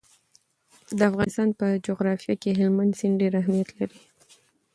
د افغانستان په جغرافیه کې هلمند سیند ډېر اهمیت لري.